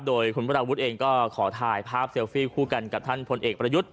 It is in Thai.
โดยคุณวราวุฒิเองก็ขอถ่ายภาพเซลฟี่คู่กันกับท่านพลเอกประยุทธ์